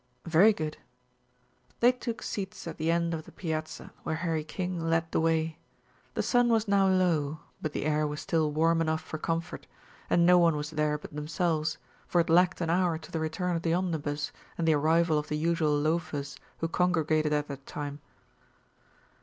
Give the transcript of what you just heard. "Very good." They took seats at the end of the piazza where Harry King led the way. The sun was now low, but the air was still warm enough for comfort, and no one was there but themselves, for it lacked an hour to the return of the omnibus and the arrival of the usual loafers who congregated at that time.